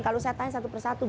kalau saya tanya satu persatu